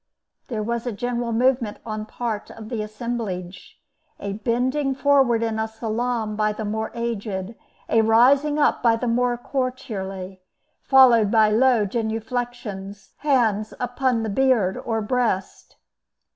There was a general movement on the part of the assemblage—a bending forward in salaam by the more aged, a rising up by the more courtierly, followed by low genuflections, hands upon the beard or breast.